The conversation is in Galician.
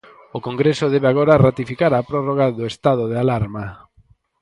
O Congreso debe agora ratificar a prórroga do estado de alarma.